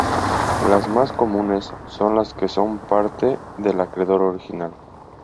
Las más comunes son las que son parte del acreedor original.